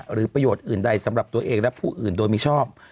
หรือประโยชน์อื่นใดสำหรับตัวเองและผู้อื่นโดยมิชอบ